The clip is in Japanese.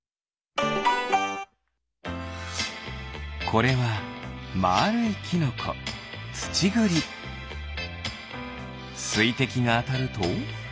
これはまあるいキノコすいてきがあたると？